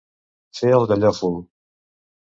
Fer el gallòfol.